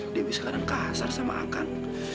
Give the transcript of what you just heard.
dewi sekarang kasar sama akang